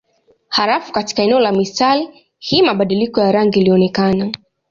Halafu katika eneo la mistari hii mabadiliko ya rangi ilionekana.